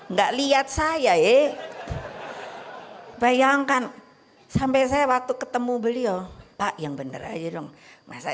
enggak lihat saya bayangkan sampai saya waktu ketemu beliau pak yang bener aja dong masa